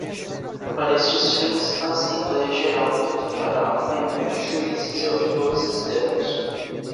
Para estes fins, a Assembleia Geral contratará um painel de juízes e auditores externos.